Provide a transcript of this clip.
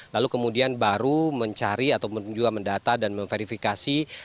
lalu kemudian baru mencari ataupun juga mendata dan memverifikasi